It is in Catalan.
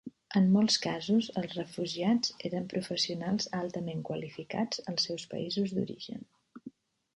En molts casos, els refugiats eren professionals altament qualificats als seus països d'origen.